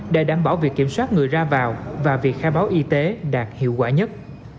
để đảm bảo việc kiểm soát người ra vào và việc khai báo y tế đạt hiệu quả nhất